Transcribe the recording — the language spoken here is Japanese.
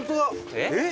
えっ！